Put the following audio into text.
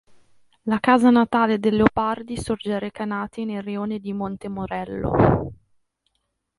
La casa natale del Leopardi sorge a Recanati nel rione di Monte Morello.